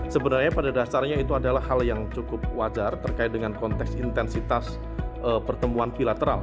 sebenarnya pada dasarnya itu adalah hal yang cukup wajar terkait dengan konteks intensitas pertemuan bilateral